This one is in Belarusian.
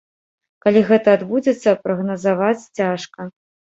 Калі гэта адбудзецца, прагназаваць цяжка.